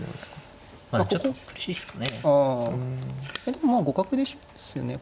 でもまあ互角ですよね